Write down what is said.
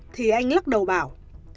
thì anh lắc đầu bảo